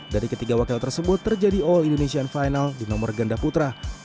dari ketiga wakil tersebut terjadi all indonesian final di nomor ganda putra